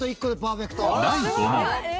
第５問。